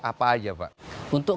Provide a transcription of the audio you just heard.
apa aja pak